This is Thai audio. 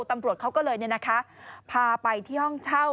ตำรวจเขาก็เลยพาไปที่ห้องเช่า